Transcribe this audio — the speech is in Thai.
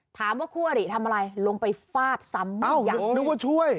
ถามว่าคู่อริทำอะไรลงไปฟาดซ้ำบ้างยังนึกว่าช่วย